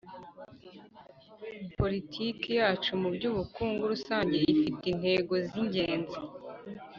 politiki yacu mu by'ubukungu rusange ifite intego z'ingenzi